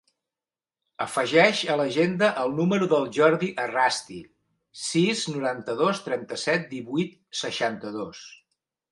Afegeix a l'agenda el número del Jordi Errasti: sis, noranta-dos, trenta-set, divuit, seixanta-dos.